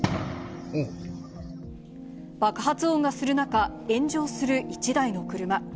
爆発音がする中、炎上する１台の車。